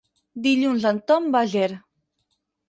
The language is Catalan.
Dilluns en Tom va a Ger.